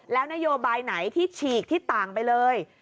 แล้วนโยบายไหนที่ฉีกที่ต่างไปเลย